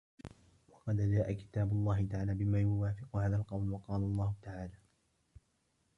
وَقَدْ جَاءَ كِتَابُ اللَّهِ تَعَالَى بِمَا يُوَافِقُ هَذَا الْقَوْلَ وَقَالَ اللَّهُ تَعَالَى